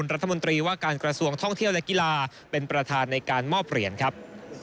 รัฐมนตรีว่าการกระทรวงท่องเที่ยวและกีฬาเป็นประธานในการมอบเหรียญครับ